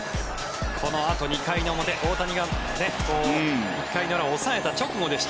このあと２回の表大谷が１回の裏を抑えた直後でした。